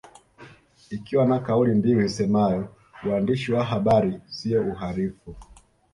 Ikiwa na kauli mbiu isemayo uandishi wa habari siyo uhalifu